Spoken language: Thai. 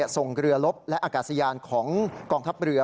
ส่งเรือลบและอากาศยานของกองทัพเรือ